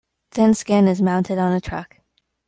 "Thin Skin" is mounted on a truck.